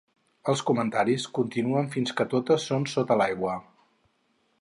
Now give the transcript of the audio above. Els comentaris continuen fins que totes són sota l'aigua.